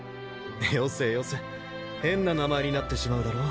よせよせ変な名前になってしまうだろ。